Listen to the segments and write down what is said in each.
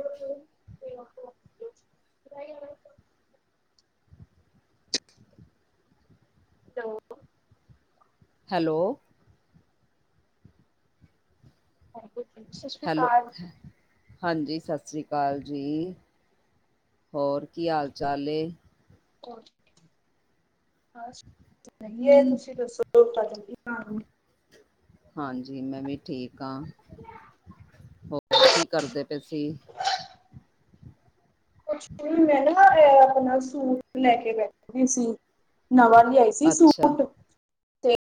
Hello. [unintelligible] Hello hello [unintelligible] hello ਹਾਂਜੀ ਸਤਿ ਸ੍ਰੀ ਅਕਾਲ ਜੀ ਹੋਰ ਕੀ ਹਾਲ ਚਾਲ ਏ ਸੀ ਸ [unintelligible] ਹਾਂਜੀ ਮੈਂ ਵੀ ਠੀਕ ਹਾਂ ਹੋਰ ਕੀ ਕਰਦੇ ਪਏ ਸੀਂ ਕੁਛ ਮੈਂ ਨਾ ਆਪਣਾ ਸੂਟ ਲੈ ਕੇ ਬੈਠ ਸੀ ਨਵਾਂ ਲਿਆਈ ਸੀ ਸੀ ਅੱਛਾ ਸੂਟ ਤੇ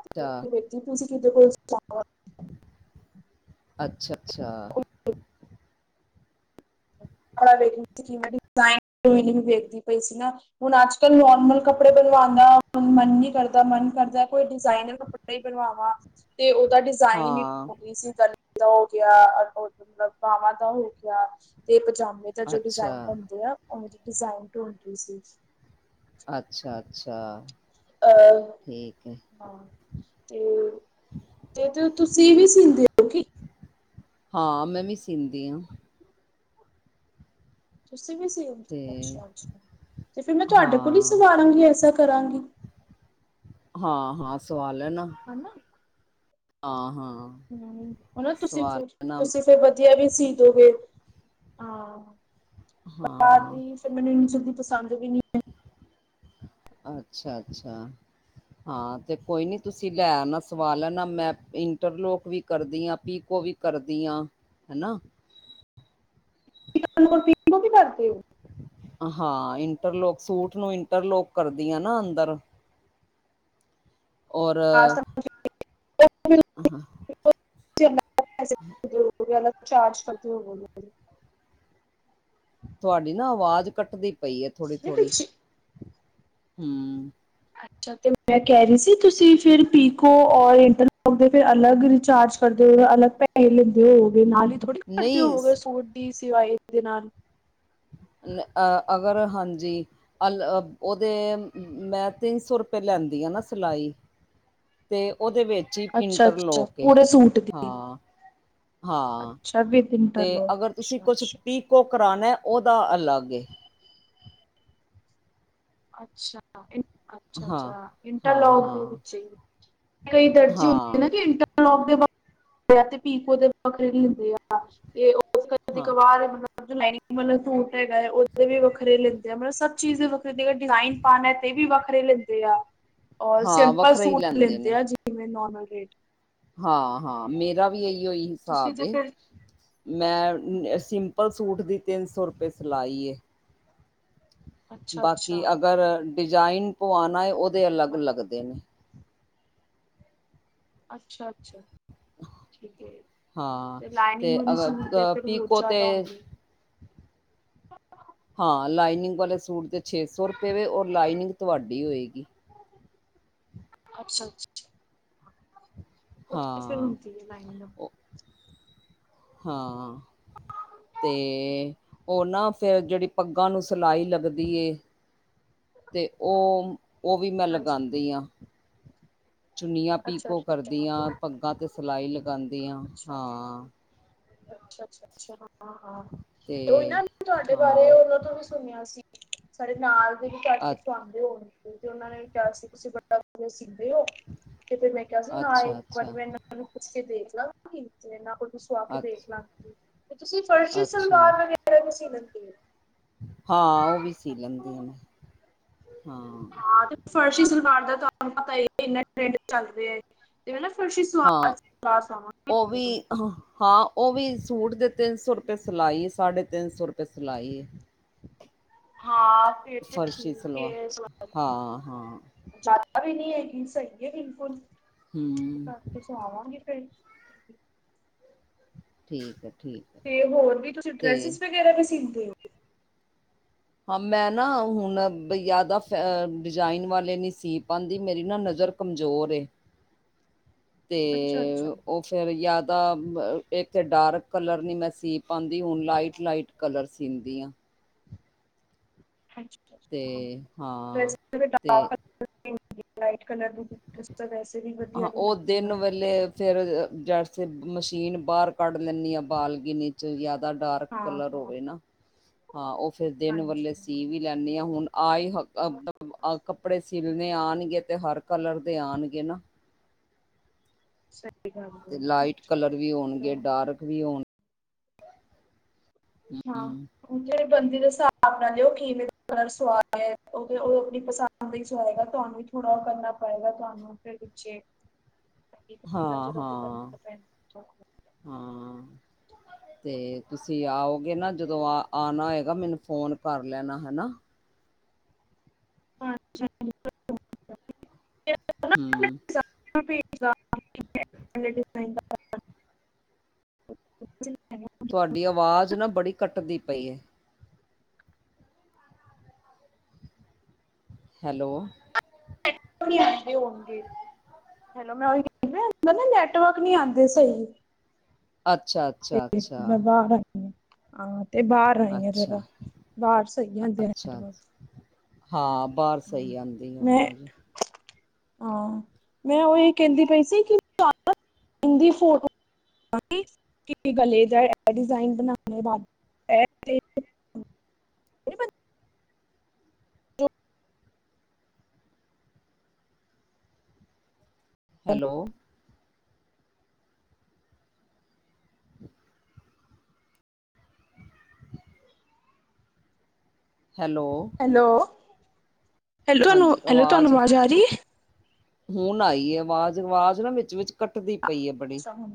ਅੱਛਾ ਜੀ ਤੁਸੀਂ ਕਿਦੇ ਕੋਲ ਸਵਾਣਾ ਅੱਛਾ ਅੱਛਾ ਖਾ ਲਈ ਕਿਵੇਂ ਟਾਈਮ ਤੁਇਮ ਵੇਖਦੀ ਪਈ ਸੀ ਨਾ ਹੁਣ ਅੱਜ ਕੱਲ ਨੋਰਮਲ ਕੱਪੜੇ ਬਣਵਾਉਣ ਦਾ ਮਨ ਨਹੀਂੀ ਕਰਦਾ ਮਨ ਕਰਦਾ ਕੋਈ ਡਿਜ਼ਾਇਨਰ ਕੱਪੜਾ ਹੀ ਬਣਵਾਵਾਂ ਤੇ ਉਹਦਾ ਡੀਸ ਡਿਜ਼ਾਈਨ ਹਾਂ ਗਈ ਸੀ ਗਲੇ ਦਾ ਹੋ ਗਿਆ ਮਤਲਬ ਬਾਵਾਂ ਦਾ ਹੋ ਗਿਆ ਤੇ ਪਜਾਮੇ ਦਾ ਜੋ ਅੱਛਾ ਡਿਜ਼ਾਇਨ ਬਣਦੇ ਆ ਉਹ ਡਿਜ਼ਾਇਨ ਢੂੰਡਹੀ ਸੀ ਅੱਛਾ ਅੱਛਾ ਅ ਠੀਕ ਹੈ ਹਾਂ ਤੇ ਤੇ ਕੇ ਤੇ ਤੁਸੀਂ ਵੀ ਸੀਂਦੇ ਹੋ ਕੀ ਹਾਂ ਮੈਂ ਵੀ ਸੀੀਂਦੀ ਹਾਂ ਤੁਸੀ ਵੀ ਅ ਤੇ ਅ ਤੇ ਫਿਰ ਮੈਂ ਤੁਹਾਡੇ ਕੋਲ ਹੀ ਹਾਂ ਸਵਾਰਾਂਗੀ ਐਸਾ ਕਰਾਂਗੀ ਹਾਂ ਹਾਂ ਸਵਾ ਲੈਨਾ ਹਨ ਨਾ ਹਾਂ ਹਾਂ ਹਮ ਹਨਾ ਤੁਸੀਂ ਸਵਾਲਨ ਤੁਸੀਂ ਫੇਿਰ ਵਧੀਆ ਵੀ ਸੀ ਦੋਗੇ ਹਾਂ ਪਰ ਹਾਂ ਦੀ ਫਿਰ ਮੈਨੂੰ ਇਨੀ ਜਲਦੀ ਪਸੰਦ ਵੀ ਨਹੀਂੀ ਹੈ ਅੱਛਾ ਅੱਛਾ ਹਾਂ ਤੇ ਕੋਈ ਨੀ ਤੁਸੀਂ ਲੈ ਆਣਾ ਸਵਾਲ ਨਾ ਮੈਂ ਇੰਟਰਲੋਕ ਵੀ ਕਰਦੀ ਹਾਂ ਪੀਕੋ ਵੀ ਕਰਦੀ ਹਾ ਹਨਾ ਇੰਟਰਲੋਕ ਔਰ ਪਿਕੋ ਵਿ ਕੀ ਕਰਦੇ ਹੋ ਹਾਂ ਇੰਟਰਲੋਕ ਸੂਟ ਨੂੰ ਇੰਟਰਲੋਕ ਕਰਦੀ ਆ ਨਾ ਅੰਦਰ ਔਰ [unintelligible] [unintelligible] [unintelligible] ਵਿ ਅਲੱਗ ਚਾਰਜ ਕਰਦੇ ਹੋ ਤੁਹਾਡੀ ਨਾ ਆਵਾਜ਼ ਕੱਟਦੀ ਪਈ ਹੈ ਥੋੜ੍ਹੀ ਥੋੜ੍ਹੀ ਹਮ ਅੱਛਾ ਤੇ ਮੈਂ ਕਹਿ ਰਹੀ ਸੀ ਤੁਸੀਂ ਫਿਰ ਪੀਕੋ ਔਰ ਇੰਟਰਲੋਕ ਦੇ ਫ ਅਲੱਗ ਰਿਚਾਰਜ ਕਰਦੇ ਹੋ ਅਲੱਗ ਪੈਸੇ ਲੈਂਦੇ ਹੋਗੇ ਨਾਲ ਹੀ ਥੋੜ੍ਹੀ ਕਰਦੇ ਨਹੀਂ ਹੋਗੇ ਸੂਟ ਦੀ ਸਿਵਾਏ ਦੇ ਨਾਲ ਅਹ ਅਗਰ ਹਾਂਜੀ ਅ ਉਹਦੇ ਮੈਂ ਤਿੰਨ ਸੌ ਰੁਪਏ ਲੈਂਦੀ ਆ ਨਾ ਸਿਲਾਈ ਤੇ ਉਹਦੇ ਵਿੱਚ ਹੀ ਅੱਛਾ-ਅੱਛਾ ਇੰਟਰਲੋਕ ਹੈ‌। ਪੂਰੇ ਸੂਟ ਦੀ ਹਾਂ ਅੱਛਾ ਵਿਦ ਤੇ ਇੰਟਰਲੋਕ ਅਗਰ ਤੁਸੀਂ ਕੁਛ ਅੱਛਾ-ਅੱਛਾ। ਪੀ ਪੀਕੋ ਕਰਾਉਣਾ ਹੈ ਉਹਦਾ ਅਲੱਗ ਏ। ਅੱਛਾ ਅੱਛਾ ਹਾਂ ਅੱਛਾ ਹਾਂ ਇੰਟਰਲੋਕ ਦੇ ਹਾਂ ਵਿੱਚ ਹੀ ਹੈ। ਕਈ ਦਰਜ਼ੀ ਹੁੰਦੇ ਹਾਂ ਨਾ ਕੀ ਇੰਟਰਲੋਕ ਇੰਟਰਲਾਕ ਦੇ ਵੱਖਰੇ ਲੈਂਦੇ ਐ ਤੇ ਪੀਕੋ ਦੇ ਵਖਰੇ ਲੈਂਦੇ ਐ ਤੇ ਕਦੀ ਹਾਂ ਕਵਾਰ ਮਤਲਬ ਲਾਈਨਿੰਗ ਵਾਲਾ ਸੂਟ ਹੈਗਾ, ਉਹਦੇ ਵੀ ਵੱਖਰੇ ਲੈਂਦੇ ਆ ਮਤਲਬ ਸਭ ਚੀਜ਼ ਵ ਫਿਰ ਜੇ ਡਿਜ਼ਾਇਨ ਪਾਉਣਾ ਤੇ ਵੀ ਵੱਖਰੇ ਲੈਂਦੇ ਆ ਔਰ ਹਾਂ ਸਿੰਪਲ ਵੱਖਰਾ ਹੀ ਸੂਟ ਨੇ ਲੈਂਦੇ ਆ। ਕਿਵੇਂ ਨੋਰਮਲ ਰੇਟ ਹਾਂ ਹਾਂ ਮੇਰਾ ਵੀ ਤੇ। ਏਹੀੋ ਔ ਹੀ ਤੁਸੀਂ ਹਿਸਾਬ ਤੇ ਹੈ ਫਿਰ ਮੈਂ ਸਿੰਪਲ ਸੂਟ ਦੀ ਤਿੰਨ ਸੌ ਰੁਪਏ ਸਿਲਾਈ ਏ ਅੱਛਾ-ਅੱਛਾ ਬਾਕੀ ਅਗਰ ਡਿਜ਼ਾਇਨ ਪਆਉਣਾ ਹੈ ਉਹਦੇ ਅਲੱਗ ਵਧ ਲੱਗਦੇ ਨੇ। ਅੱਛਾ ਅੱਛਾ। ਠੀਕ ਹੈ, ਹਾਂ ਤੇ ਲਾਈਨਿੰਗ ਮੈਨੂੰ ਅਗਰ ਸੂਟ ਦੇ ਫਿਰ ਹੋਰ ਪੀਕੋ ਜਿਆਦਾ ਤੇ ਹੋਣਗੇ। [unintelligible] ਹਾਂ ਲਾਈਨਿੰਗ ਵਾਲੇ ਸੂਟ ਦੇ ਛੇ ਸੌ ਰੁਪਏ ਵਾ ਔਰ ਲਾਈਨਿੰਗ ਤੁਹਾਡੀ ਹੋਏਗੀ। ਅੱਛਾ ਅੱਛਾ। ਉਹਥੇ ਫਿਰ ਹਾਂ ਹੁੰਦੀ ਹੈ ਲਾਈਟਨਿੰਗ ਹਾਂ। ਤੇ ਉਹ ਨਾ ਫਿਰ ਜਿਹੜੀ ਪੱਗਾਂ ਨੂੰ ਸਿਲਾਈ ਲੱਗਦੀ ਏ ਤੇ ਉਹ ਉਹ ਵੀ ਮੈਂ ਹਾਂਜੀ ਲਗਾਉਂਦੀ ਹਾਂ। ਚੁੰਨੀਆਂ ਅੱਛਾ ਪੀਕੋ ਅੱਛਾ ਕਰਦੀਆਂ ਅੱਛਾ ਪੱਗਾਂ ਤੇ ਸਿਲਾਈ ਲਗਾਉਂਦੀਆਂ ਅੱਛਾ ਹਾਂ। ਅੱਛਾ ਅੱਛਾ ਹਾਂ ਹਾਂ ਤੇ ਉਹਈ ਨਾ ਤੁਹਾਡੇ ਬਾਰੇ ਉਹਨਾਂ ਤੋਂ ਵੀ ਸੁਣਿਆ ਸੀ ਸਾਡੇ ਨਾਲ ਦੇ ਵੀ ਘੱਟ ਅ ਕੇ ਸੁਵਾਨਦੇ ਹੋਣਗੇ ਤੇ ਉਹਨਾਂ ਨੇ ਵੀ ਕਿਹਾ ਸੀ ਤੁਸੀਂ ਬੜਾ ਦੇ ਹੋ ਤੇ ਫਿਰ ਮੈਂ ਕਿਹਾ ਸੀ ਹਾਂ ਅੱਛਾ ਇੱਕ ਵਾਰੀ ਅੱਛਾ ਮੈਂ ਇਹਨਾਂ ਨੂੰ ਪੁੱਛ ਕੇ ਦੇਖ ਲਵਾ। ਇਹਨਾਂ ਕੋ ਸੁਵਾ ਕੇ ਅੱ ਦੇਖ ਲਾਂਗੀ, ਤੇ ਤੁਸੀਂ ਫਰਸ਼ੀ ਅੱਛਾ ਸਲਵਾਰ ਵਗਰਾ ਰਗੁਸੀ ਲੱਗਦੀ ਏ ਹਾਂ ਉਹ ਵੀ ਸੀ ਲੈਂਦੀ ਹੈ ਮੈਂ ਹਾਂ। ਹਾਂ ਫਰਸ਼ੀ ਸਲਵਾਰ ਦਾ ਤੁਹਾਨੂੰ ਪਤਾ ਈ ਹੈ ਇੰਨਾ ਟਰੈਂਡ ਚੱਲ ਰਿਹਾ। ਜਿਵੇੰ ਨਾ ਫਿਰਸ਼ੀ ਹਾਂ ਸਲਵਾਰ ਸਂਵਾਵਾਗੇ। ਉਹ ਵੀ ਹਾਂ ਉਹ ਵੀ ਸੂਟ ਦੇ ਤਿੰਨ ਸੌ ਰੁਪਏ ਸਿਲਾਈ ਸਾਢੇ ਤਿੰਨ ਸੌ ਰੁਪਏ ਸਿਲਾਈ ਹੈ। ਹਮ। ਹਾਂ ਫਿਰ ਤੇ ਫਰਸ਼ੀ ਠੀਕ ਸਲਵਾ ਏ ਹਾਂ ਹਾਂ ਜ਼ਿਆਦਾ ਵੀ ਨਹੀਂ ਹੈਗੀ, ਸਹੀ ਹੈ ਬਿਲਕੁਲ ਹਮ ਕਰਕੇ ਸੋ ਆਵਾਂਗੇ ਫੇਿਰ। ਠੀਕ ਹੈ। ਠੀਕ ਹੈ ਤੇ ਹੋਰ ਵੀ ਤੁਸੀਂ ਤੇ ਡਰੈਸਿਸ ਵਗੈਰਾ ਵੀ ਸੀਂਦੇ ਹੋ? ਹਾਂ ਮੈਂ ਨਾ ਹੁਣ ਜ਼ਿਆਦਾ ਡਿਜ਼ਾਇਨ ਵਾਲੇ ਨਹੀਂ ਸੀ ਪਾਉਂਦੀ ਮੇਰੀ ਨਾ ਨਜ਼ਰ ਕਮਜ਼ੋਰ ਏ ਤੇ ਅੱਛਾ ਅੱਛਾ। ਉਹ ਫਿਰ ਜ਼ਿਆਦਾ ਇੱਕ ਡਾਰਕ ਕਲਰ ਨਹੀਂ ਮੈਂ ਸੀ ਪਾਉਂਦੀ ਹੁਣ ਲਾਈਟ ਲਾਈਟ ਕਲਰ ਸੀਂਦੀ ਹਾਂ। ਤੇ ਹਾਂ ਤੇ [unintelligible] ਲਾਈਟ ਕਲਰ ਦਿਸਦਾ ਵੈਸੇ। ਵੀ ਵਧੀਆ ਹਾਂ ਨੀ ਉਹ ਲੱਗਦੀਆਂ। ਦਿਨ ਵੇਲੇ ਫਿਰ ਜੈਸੇ ਮਸ਼ੀਨ ਬਾਹਰ ਕੱਢ ਲੈਂਦੀ ਹਾਂ ਬਾਲਕਿਨੀ ਜ਼ਿਆਦਾ ਡਾਰਕ ਹਾਂ ਕਲਰ ਹਾਂ ਹੋਵੇ ਨਾ, ਹਾਂ ਉਹ ਫਿਰ ਦਿਨ ਵੇਲੇ ਹਾਂਜੀ। ਸੀ ਵੀ ਲੈਂਨੀ ਹਾਂ ਹੁਣ। ਆ ਏ ਹਫਤਾ ਆਈ ਕੱਪੜੇ ਸਿਲਣੇ ਆਉਣਗੇ ਤੇ ਹਰ ਕਲਰ ਦੇ ਆਉਣਗੇ ਨਾ। ਸਹੀ ਹੈ। ਤੇ ਲਾਈਟ ਕਲਰ ਵੀ ਹੋਣਗੇ, ਹੈ। ਡਾਰਕ ਵੀ ਹੋਣ ਹੂੰ ਹਾਂ ਜਿਹੜੇ ਬੰਦੀ ਦੇ ਹਿਸਾਬ ਨਾਲ ਲੈਂਂਦੈ ਉਹ ਕਿਵੇਂ ਸਵਾਦ ਨੇ ਉਹ ਆਪਣੀ ਪਸੰਦ। ਵਿਚ ਹੋਏਗਾ ਤੁਹਾਨੂੰ ਵੀ ਥੋੜ੍ਹਾ ਉਹ ਕਰਨਾ ਪਏਗਾ ਤੁਹਾਨੂੰ ਫੇਰ ਪਿਛੇ [unintelligible] ਹਾਂ‌‌‌‌‌‌‌, ਤੇ, ਤੁਸੀਂ ਆਓਗੇ ਨਾ ਜਦੋਂ ਆ ਆਣਾ ਹੇਗਾ, ਮੈਨੂੰ ਫੋਨ ਕਰ ਲੈਣਾ ਹੈਨਾ। ਅੱਛਾ, ਜੇ ਤ ਹੂੰ [unintelligible] [unintelligible] ਤੁਹਾਡੀ ਆਵਾਜ਼ ਨਾ ਬੜੀ ਕੱਟਦੀ ਪਈਏ। ਹੈਲੋ ਐਂ ਤੁਸੀ ਆਏ ਦੇ ਹੋਣਗੇ। ਹੈਲੋ ''ਮੈਂ ਉਈ ਕਹਿੰਨੀ ਪਈ ਆ, ਨੈਟਵਰਕ ਨਹੀਂ ਆਂਦੇ ਸਹੀ। ਅੱਛਾ ਅੱਛਾ ਤੇ ਅੱਛਾ ਮੈਂ ਬਾਹਰ ਆਈ, ਹ ਹਾਂ ਤੇ ਬਾਹਰ ਸਹੀ ਹੈ ਅੱਛਾ ਜਗਾ ਬਾਹਰ ਸਹੀ ਨੈਟਵਰਕ ਹਾ, ਬਾਹਰ ਸਹੀ ਆਂਦੀ ਏ ਮੈਂ ਅਵਾਜ਼। ਹਾਂ, ਮੈਂ ਉਹੀ ਕਹਿੰਦੀ ਪਈ ਸੀ ਕਿ ਤਹਾਨੰ ਨ ਇਨ ਦੀ ਫੋਟੋ ਹਾਂਜੀ, ਕਿਸੀ ਗਲੇ ਦਾ ਐ ਡਿਜ਼ਾਇਨ ਬਣਾਨੇ ਬਾਦ ਐਪ ਤੇ ਅਹ ਹੈਲੋ‌ ਹੈਲੋ। ਹੈਲੋ ‌‌, ਹੈਲੋ ਤੁਹਾਨੂੰ‌, ਹਾਂਜੀ ਹੈਲੋ ਤੁਹਾਨੂੰ ਆਵਾਜ਼ ਅਵਾਜ਼ ਆ ਰਹੀ ਏ। ਹੁਣ ਆਈਏ ਆਵਾਜ਼, ਆਵਾਜ਼ ਨਾ ਵਿੱਚ-ਵਿਚ ਕੱਟ ਦੀ ਪਈ ਏ ਬੜੀ, ਅੱਛਾ ਹੁਣ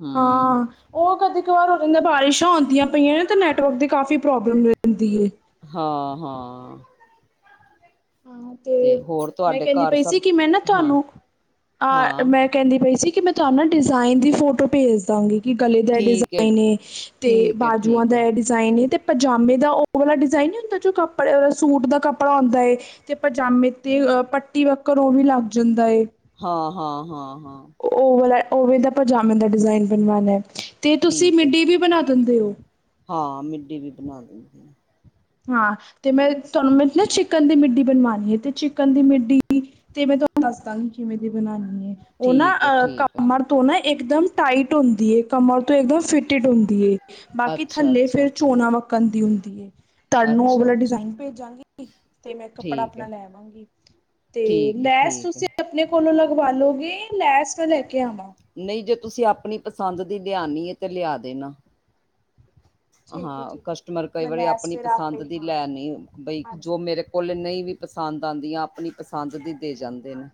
ਹੂੰ। ਹਾਂ ਉਹ ਕਦੇ ਕ ਵਾਰ ਹੋ ਜਾਂਦਾ, ਉਹ ਬਾਰਿਸ਼ਾਂ ਆਉਂਦੀਆਂ ਪਈਆਂ ਤਾਂ ਨੈਟਵਰਕ ਦੀ ਕਾਫ਼ੀ ਪ੍ਰੋਬਲਮ ਰਹਿੰਦੀ ਏ। ਹਾ-ਹਾਂ। ਹਾਂ, ਤੇ ਹੋਰ ਮੈਂ ਤੁਹਾਡੇ ਕਹਿੰਦੀ ਘਰ ਪਈ ਸੀ ਸਭ ਕਿ ਮੈਂ ਨਾ ਹਾਂ ਤਹਾਨੂੰ ਆਹ ਹਾਂ ਮੈਂ ਕਹਿੰਦੀ ਪਈ ਸੀ ਕਿ ''ਮੈਂ ਤੁਹਾਨੂੰ ਨਾ ਡਿਜ਼ਾਇਨ ਦੀ ਫੋਟੋ ਭੇਜ ਦਾਂਗੀ। ਕਿ ਗਲੇ ਦਾ ਠੀਕ ਹੈ ਡਿਜ਼ਾਇਨ ਏ, ਤੇ ਠੀਕ ਹੈ ਬਾਜੂਆਂ ਠੀਕ ਦਾ ਹੈ ਡਿਜ਼ਾਇਨ, ਤੇ ਪਜਾਮੇ ਦਾ ਉਹ ਵਾਲਾ ਡਿਜ਼ਾਇਨ ਨਹੀਂ ਹੁੰਦਾ ਜੋ ਕੱਪੜੇ ਸੂਟ ਦਾ ਕੱਪੜਾ ਹੁੰਦਾ ਏ। ਤੇ ਪਜਾਮੇ ਤੇ, ਅ ਪੱਟੀ ਵੱਕਰ ਉਹ ਵੀ ਲੱਗ ਜਾਂਦਾ ਏ। ਹਾਂ, ਹਾਂ, ਹਾਂ, ਹਾਂ। ਓ ਵਾਲਾ, ਓਵੇ ਦਾ ਪਜਾਮੇ ਦਾ ਡਿਜ਼ਾਇਨ ਬਣਵਾਣਾ ਏ, ਤੇ ਤੁਸੀਂ ਠੀਕ ਹੈ ਮਿੱਡੀ ਵੀ ਬਣਾ ਦਿੰਦੇ ਓ? ਹਾਂ, ਮਿੱਡੀ ਵੀ ਬਣਾ ਦਿੰਦੀ ਆ। ਹਾਂ, ਤੇ ''ਮੈਂ ਤੁਹਾਨੂੰ ਮ ਨਾ ਚਿਕਨ ਦੀ ਮਿੱਡੀ ਬਣਵਾਣੀ ਆ, ਤੇ ਚਿਕਨ ਦੀ ਮਿੱਡੀ ਤੇ ''ਮੈਂ ਤੁਹਾਨੂੰ ਦੱਸ ਦਾਂਗੀ ਕਿਮੇਂ ਦੀ ਬਨਾਨੀ ਏ, ਉਹ ਨਾ ਠੀਕ ਹੈ ਅਹ ਠੀਕ ਹੈ ਕਮਰ ਤੋਂ ਨਾ ਇਕਦਮ ਟਾਈਟ ਹੁੰਦੀ ਏ, ਕਮਰ ਤੋਂ ਇਕਦਮ ਫਿਟਿਡ ਹੁੰਦੀ ਏ। ਬਾਕੀ ਅੱਛਾ ਥੱਲੇ ਫੇਰ ਅੱਛਾ ਚੋਨਾ ਵੱਕਨ ਦੀ ਹੁੰਦੀ ਏ। ਕਲ ਨੂੰ ਉਹ ਅੱਛਾ ਵਾਲਾ ਅੱਛਾ ਡਿਜ਼ਾਇਨ ਭੇਜਾਂਗੀ, ਤੇ ਮੈਂ ਕੱਪੜਾ ਠੀਕ ਆਪਣਾ ਹੈ ਲੈਵਾਂਗੀ। ਤੇ, ਠੀਕ ਹੈ ਲੈਸ ਠੀਕ ਹੈ ਤੁਸੀਂ ਆਪਣੇ ਕੋਲੋਂ ਲਗਵਾ ਲੋਗੇ, ਲੈਸ ਮੈਂ ਲੈਕੇ ਆਵਾਂ? ਨਹੀਂ ਜੇ ਤੁਸੀਂ ਆਪਣੀ ਪਸੰਦ ਦੀ ਲਿਆਣੀ ਏ, ਤੇ ਲਿਆ ਦੇਣਾ। ਠੀਕ ਐ ਹਾਂ ਠੀਕ ਐ ਕਸਟਮਰ ਕਈ ਮੈਂ ਵਾਰੀ ਲੈਸ ਆਪਣੀ ਫੇਰ ਪਸੰਦ ਆਪੇ ਦੀ ਹਾਂ ਲੈਣੀ ਬਈ ਹਾਂਜੀ ਜੋ ਮੇਰੇ ਹਾਂਜੀ ਕੋਲੇ ਨਹੀਂ ਵੀ ਪਸੰਦ ਆਉਂਦੀਆਂ ਆਪਣੀ ਪਸੰਦ ਦੀ ਦੇ ਜਾਂਦੇ ਨੇ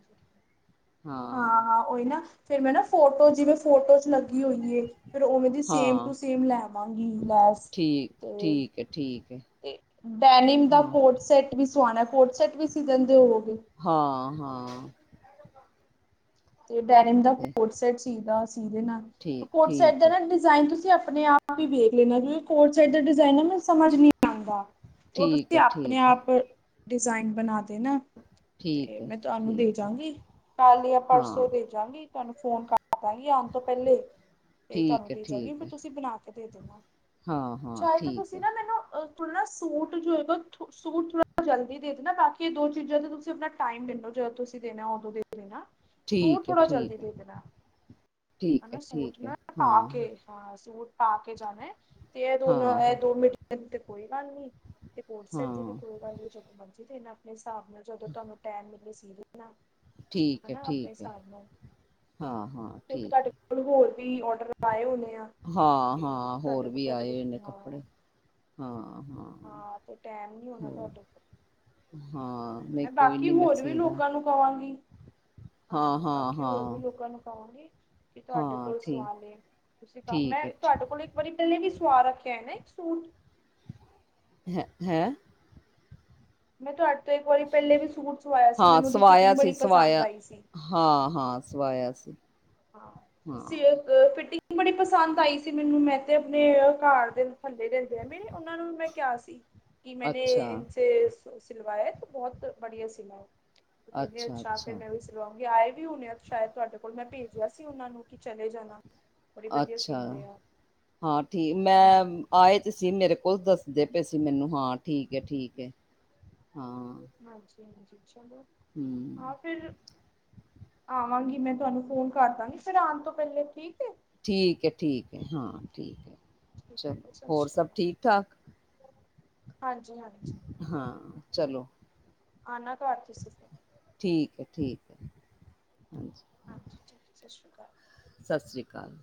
ਹਾਂ। ਉਹ ਈ ਨਾ ਫੇਰ ਮੈਂ ਨਾ ਫੋਨ ਕੋਲ ਜਿਵੇਂ ਫੋਟੋਜ਼ ਲੱਗੀ ਹੋਈਏ ਫੇਰ ਉਵੇਂ ਦੀ ਸੇਮ ਹਾਂ ਟੂ ਸੇਮ ਲੈਵਾਂਗੀ ਲੈਸ। ਠੀਕ, ਠੀਕ ਹੈ ਠੀਕ ਹੈ। ਤੇ ਡੈਨਿਮ ਦਾ ਕੋਰਡਸੈਟ ਵੀ ਸਵਾਣਾ ਕੋਰਡਸੈਟ ਵੀ ਸੀ ਲੈਂਦੇ ਹੋਵੋਗੇ? ਹਾਂ -ਹਾਂ। ਤੇ ਡੈਰਿਮ ਦਾ ਤੇ ਕੋਰਡਸੈਟ ਸੀਗਾ ਸੀ ਦੇਨਾ ਨਾਲ ਠੀਕ ਕੋਰਡ ਸੈਟ ਠੀਕ ਦਾ ਹੈ ਨਾ। ਡਿਜ਼ਾਇਨ ਤੁਸੀਂ ਆਪਣੇ ਆਪ ਹੀ ਵੇਖ ਲੈਣਾ ਕਿਉਂਕਿ ਕੋਰਡਸੈਟ ਦਾ ਡਿਜ਼ਾਇਨ ਨਾ ਮੈਨੂੰ ਸਮਝ ਨਹੀਂ ਆਉਂਦਾ। ਉਹ ਠੀਕ ਤੁਸੀਂ ਹੈ ਆਪਣੇ ਠੀਕ ਹੈ ਆਪ ਡਿਜ਼ਾਇਨ ਬਣਾ ਦੇਣਾ। ਤੇ ਠੀਕ ਹੈ ਮੈਂ ਤੁਹਾਨੂੰ ਠੀਕ ਹੈ ਦੇਜਾਂਗੀ ਕੱਲ ਜਾਂ ਪਰਸੋਂ। ਹਾਂ ਭੇਜਾਂਗੀ ਤੁਹਾਨੂੰ ਫੋਨ ਕਰ ਦਾਂਗੀ ਆਉਣ ਤੋਂ ਪਹਿਲੇ। ਤੇ ਤੁਹਾਨੂੰ ਠੀਕ ਹੈ ਦੇ ਜਾਂਗੀ ਠੀਕ ਫੇਰ ਹੈ ਤੁਸੀਂ ਬਣਾ ਕੇ ਦੇ ਦੇਣਾ ਹਾਂ ਹਾਂ ਚਾਹੇ ਤਾਂ ਠੀਕ ਤੁਸੀਂ ਹੈ ਨਾ ਮੈਨੂੰ ਥੋੜਾ ਨਾ ਸੂਟ ਜੋ ਹੈਗਾ ਸੂਟ ਥੋੜਾ ਜਲਦੀ ਦੇ ਦੇਣਾ ਬਾਕੀ ਦੋ ਚੀਜ਼ਾਂ ਤੁਸੀਂ ਆਪਣਾ। ਟਾਈਮ ਦੇ ਦੋ ਜਦੋਂ ਤੁਸੀਂ ਦੇਣਾ ਉਦੋਂ ਦੇ ਦੇਣਾ ਸੂਟ ਠੀਕ ਹੈ ਥੋੜ੍ਹਾ ਜਲਦੀ ਠੀਕ ਹੈ ਦੇ ਦੇਣਾ। ਹੈ ਠੀਕ ਨਾ ਸੂਟ ਠੀਕ ਹੈ ਨਾ ਪਾ ਹਾਂ ਕੇ ਹਾਂ ਸੂਟ ਪਾ ਕੇ ਜਾਣਾ ਤੇ ਇਹ ਦੋਨਾਂ ਹਾਂ ਇਹ ਹਾਂ ਦੋ ਮਿੰਟ। ਇਹਦੀ ਤੇ ਕੋਈ ਗੱਲ ਨੀ ਤੇ ਕੋਰਡਸੈਟ ਦੀ ਵੀ ਹਾਂ ਕੋਈ ਗੱਲ ਨੀ ਜਦੋਂ ਮਰਜੀ ਦੇਣਾ। ਆਪਣੇ ਹਿਸਾਬ ਨਾਲ ਜਦੋਂ ਤੁਹਾਨੂੰ ਟਾਈਮ ਮਿਲੇ ਸੀ ਦੇਣਾ। ਠੀਕ ਹੈ, ਹਨਾ ਆਪਣੇ ਠੀਕ ਹੈ, ਹਿਸਾਬ ਨਾਲ ਹਾਂ, ਹਾਂ ਠੀਕ ਹੈ। ਉਹਨੂੰ ਹੋਰ ਵੀ ਔਰ। ਹਾਂ, ਹਾਂ ਹੋਰ ਤੁਹਾਡੇ ਵੀ ਕੋਲ ਆਏ ਹਜੇ ਹੋਏ ਨੇ ਹਾਂ ਕੱਪੜੇ ਹਾਂ, ਹਾਂ। ਹਾਂ ਤੇ ਟਾਈਮ ਨੀ ਹੋਣਾ ਤੁਹਾਡੇ ਕੋਲ। ਹਾਂ ਨਹੀਂ ਮੈਂ ਕੋਈ ਬਾਕੀ ਨੀ ਮੈਂ ਹੋਰ ਵੀ ਸੀ ਦਾ ਲੋਕਾਂ ਨੂੰ ਕਵਾਂਗੀ। ਹਾਂ, ਮੈਂ ਹਾਂ-ਹਾਂ-ਹਾਂ ਹਾਂ ਬਾਕੀ ਹੋਰ ਵੀ ਹਾਂ ਲੋਕਾਂ ਨੂੰ ਕਵਾਂਗੀ। ਕੀ ਤੁਹਾਡੇ ਹਾਂ ਕੋਲ ਠੀਕ ਸਵਾ ਲੇਣ ਤੁਸੀਂ ਕ ਮੈਂ ਠੀਕ ਹੈ ਠੀ ਤੁਹਾਡੇ ਕੋਲ ਹੀ। ਇੱਕ ਵਾਰੀ ਪਹਿਲੇ ਵੀ ਸਵਾ ਰੱਖਿਆ ਨਾ ਇੱਕ ਸੂਟ। ਹੈ ਹੈਂ। ਮੈਂ ਤੁਹਾਡੇ ਤੋਂ ਇੱਕ ਵਾਰੀ ਪਹਿਲੇ ਵੀ ਸੂਟ ਸਵਾਇਆ ਸੀ। ਮੈਨੂੰ ਉਹਦੀ ਫਿਟਿੰਗ ਬੜੀ ਪਸੰਦ ਆਈ ਸੀ। ਹਾਂ, ਹਾਂ ਸਵਾਇਆ ਸੀ। ਹਾਂ ਹਾਂ ਸੇਮ। ਅ ਫਿਟਿੰਗ ਬੜੀ ਪਸੰਦ ਆਈ ਸੀ। ਮੈਨੂੰ ਮੈਂ ਤੇ ਆਪਣੇ ਘਰ ਦੇ ਥੱਲੇ ਰਹਿੰਦੇ ਨੇ। ਉਹਨਾਂ ਨੂੰ ਵੀ ਮੈਂ ਕਿਹਾ ਸੀ। ਕਿ ਮੈਨੇ ਅੱਛਾ ਇੱਥੇ ਸੂਟ ਸਿਲਵਾਇਆ ਤੇ ਬਹੁਤ ਵਧੀਆ ਸਿਲਾ ਏ। ਅੱਛਾ-ਅੱਛਾ ਅੱਛਾ [inaudible] ਲੋਕੀ ਆਏ ਵੀ ਹੋਣੇ ਆ ਸ਼ਾਇਦ ਤੁਹਾਡੇ ਕੋਲ ਮੈਂ ਭੇਜਿਆ ਸੀ ਉਹਨਾਂ ਨੂੰ ਕਿ ਚਲੇ ਜਾਣਾ। ਬੜੀ ਵਧੀਆ ਅੱਛਾ ਸੀਂਦੇ ਆ ਹਾਂ ਠੀਕ ਮੈਂ। ਹੂੰ ਆਏ ਤੇ ਸੀ ਮੇਰੇ ਕੋਲ ਦੱਸਦੇ ਪਏ ਸੀ ਮੈਨੂੰ ਹਾਂ ਠੀਕ ਹੈ। ਠੀਕ ਹੈ ਹਾਂ। ਹਾਂਜੀ, ਹਾਂਜੀ ਚਲੋ ਹੂੰ ਹਾਂ ਫਿਰ। ਆਵਾਂਗੀ ਮੈਂ ਤੁਹਾਨੂੰ ਫੋਨ ਕਰ ਦਾਂਗੀ ਫੇਰ ਆਉਣ ਤੋਂ ਪਹਿਲੇ ਠੀਕ ਏ? ਠੀਕ ਹੈ, ਠੀਕ ਹੈ, ਹਾਂ ਠੀਕ ਹੈ, ਸਤਿ ਚਲੋ ਹੋਰ ਸ਼੍ਰੀ ਸਭ ਠੀਕ ਅਕਾਲ ਠਾਕ? ਹਾਂਜੀ ਹਾਂਜੀ। ਹਾਂ ਚਲੋ। ਆਉਣਾ ਘਰ ਤੁਸੀਂ। ਠੀਕ ਹੈ, ਠੀਕ ਹੈ ਹਾਂਜੀ। ਹਾਂਜੀ, ਠੀਕ ਹੈ, ਸਤਿ ਸ਼੍ਰੀ ਅਕਾਲ। ਸਤਿ ਸ੍ਰੀ ਕਾਲ।